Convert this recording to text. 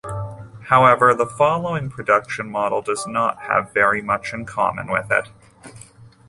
However, the following production model does not have very much in common with it.